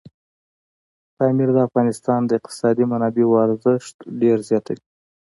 پامیر د افغانستان د اقتصادي منابعو ارزښت ډېر زیاتوي.